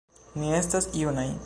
Ni estas junaj.